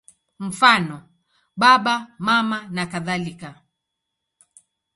Mfano: Baba, Mama nakadhalika.